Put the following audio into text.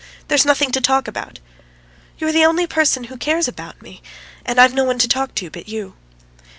There's nothing to talk about." "You are the only person who ... cares about me, and I've no one to talk to but you."